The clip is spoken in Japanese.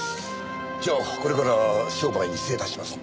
じゃあこれから商売に精を出しますんで。